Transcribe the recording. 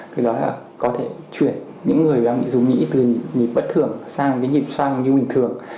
thì đó là có thể chuyển những người đang nghi dung nghĩ từ nhịp bất thường sang cái nhịp sang như bình thường